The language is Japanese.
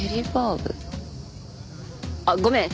あっごめん。